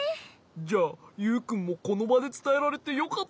じゃあユウくんもこのばでつたえられてよかったね。